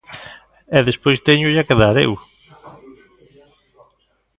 E despois téñolla que dar eu.